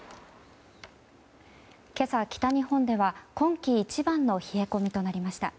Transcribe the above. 今朝、北日本では今季一番の冷え込みとなりました。